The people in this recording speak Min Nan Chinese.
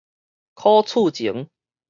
許厝前